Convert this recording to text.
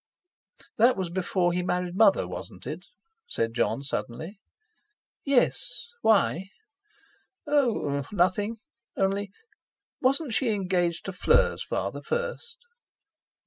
"That was before he married Mother, wasn't it?" said Jon suddenly. "Yes. Why?" "Oh! nothing. Only, wasn't she engaged to Fleur's father first?"